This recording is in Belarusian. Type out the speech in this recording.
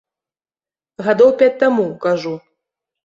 Гадоў пяць таму, кажу.